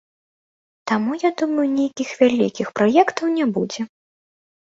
Таму, я думаю, нейкіх вялікіх праектаў не будзе.